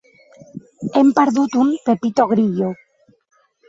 Hem perdut un “Pepito Grillo”.